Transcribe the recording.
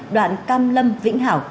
đoạn cam lâm vĩnh hảo